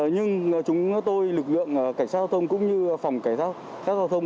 nhưng chúng tôi lực lượng cảnh sát giao thông cũng như phòng cảnh sát giao thông